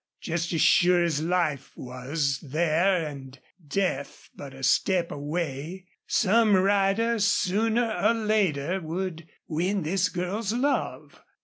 Just as sure as life was there and death but a step away, some rider, sooner or later, would win this girl's love.